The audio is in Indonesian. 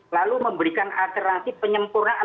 lalu memberikan alternatif penyempurnaan